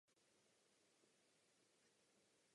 Vítězem se stala švédská ženská fotbalová reprezentace.